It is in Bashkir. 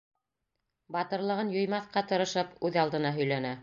Батырлығын юймаҫҡа тырышып, үҙ алдына һөйләнә: